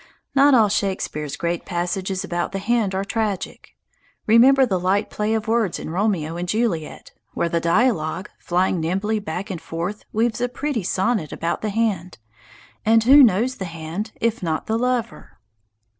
Not all Shakspere's great passages about the hand are tragic. Remember the light play of words in "Romeo and Juliet" where the dialogue, flying nimbly back and forth, weaves a pretty sonnet about the hand. And who knows the hand, if not the lover?